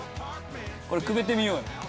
くべてみようよ。